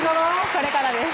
これからです